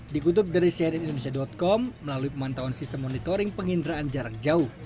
dikutip dari cnn indonesia com melalui pemantauan sistem monitoring penginderaan jarak jauh